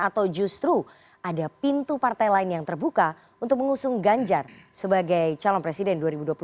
atau justru ada pintu partai lain yang terbuka untuk mengusung ganjar sebagai calon presiden dua ribu dua puluh empat